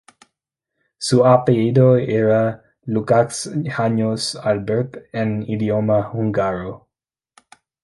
Su apellido era "Lukács János Albert" en idioma húngaro.